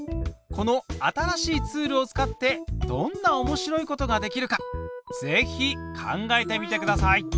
この新しいツールを使ってどんなおもしろいことができるかぜひ考えてみてください！